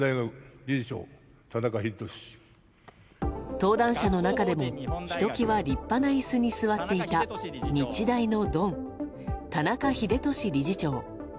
登壇者の中でもひときわ立派な椅子に座っていた日大のドン、田中英壽理事長。